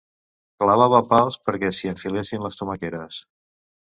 Clavava pals perquè s'hi enfilessin les tomaqueres.